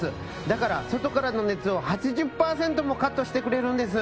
だから外からの熱を８０％もカットしてくれるんです！